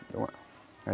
đúng không ạ